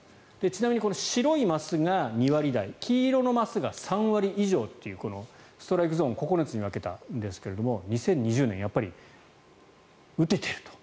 ちなみにこの白いマスが２割台黄色のマスが３割以上というストライクゾーンを９つに分けたんですけど２０２０年やっぱり打ててると。